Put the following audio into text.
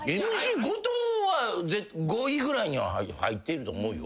後藤は５位ぐらいには入ってると思うよ。